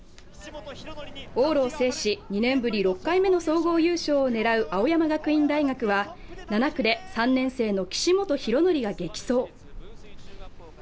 往路を制し、２年ぶり６回目の総合優勝を狙う青山学院大学は７区で３年生の岸本大紀が激走。